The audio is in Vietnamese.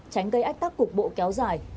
tránh gây ách tắc cục bộ kéo dài